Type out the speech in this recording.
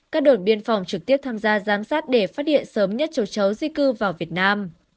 các đồn biên phòng trực tiếp tham gia giám sát để phát hiện sớm nhất châu chấu di cư vào việt nam